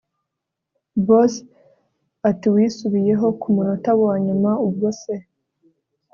Boss atiwisubiyeho kumunota wanyuma ubwo se